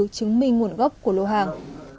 chứng minh nguồn gốc của lô hàng